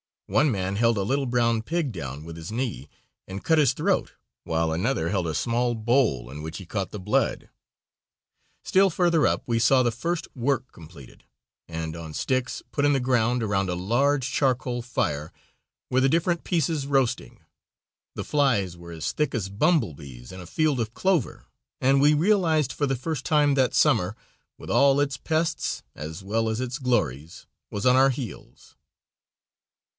One man held a little brown pig down with his knee and cut its throat, while another held a small bowl in which he caught the blood. Still further up we saw the first work completed, and on sticks, put in the ground around a large charcoal fire, were the different pieces roasting. The flies were as thick as bumblebees in a field of clover, and we realized for the first time that summer, with all its pests, as well as its glories, was on our heels.